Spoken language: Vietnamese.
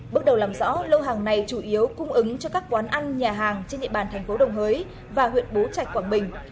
bước đầu làm rõ lô hàng này chủ yếu cung ứng cho các quán ăn nhà hàng trên địa bàn thành phố đồng hới và huyện bố trạch quảng bình